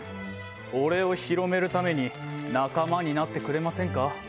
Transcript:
俺を広めるために仲間になってくれませんか？